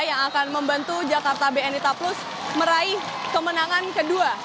yang akan membantu jakarta bni taplus meraih kemenangan kedua